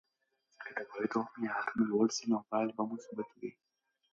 که د پوهیدو معیارونه لوړ سي، نو پایلې به مثبتې وي.